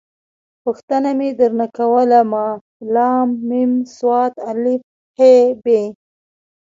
پوښتنه مې در نه کوله ما …ل …م ص … ا .. ح… ب.